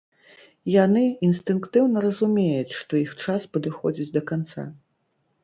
Яны інстынктыўна разумеюць, што іх час падыходзіць да канца.